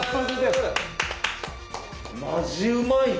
マジうまいね。